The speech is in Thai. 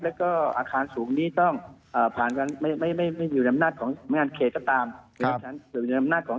และก็อาคารสูงนี้ต้องผ่านไม่อยู่ในอำนาจของสำนักการโยธานะครับ